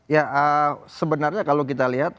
ya sebenarnya kalau kita lihat